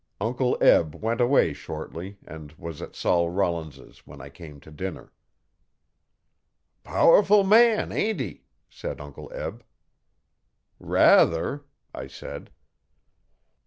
Uncle Eb went away shortly and was at Sol Rollin's when I came to dinner. 'Powerful man ain't he?' said Uncle Eb. 'Rather,' I said.